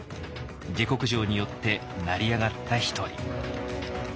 下剋上によって成り上がった一人。